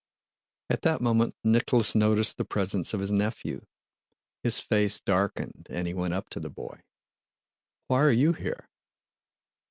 At that moment Nicholas noticed the presence of his nephew. His face darkened and he went up to the boy. "Why are you here?"